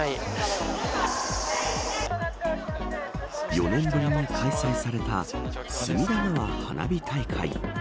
４年ぶりに開催された隅田川花火大会。